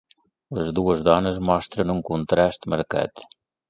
Les dues dones mostren un contrast marcat.